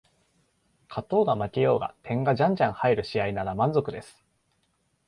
勝とうが負けようが点がじゃんじゃん入る試合なら満足です